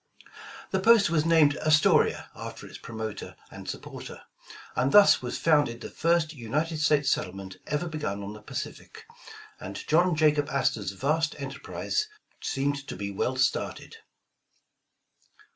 The post was named "Astoria" after its promoter and supporter, and thus was founded the first United States settlement ever begun on the Pacific, and John Jaxiob Astor^s vast enterprise seemed to be well started.